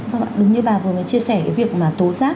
các bạn đúng như bà vừa mới chia sẻ cái việc mà tố giác